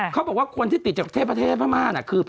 เขาบอกว่าคนที่ติดจากเทพประเทศพม่าน่ะคือ